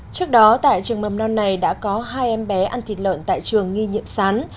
trước đó tại trường mầm non này đã có hai em bé ăn thịt lợn tại trường nghi nhiệm sán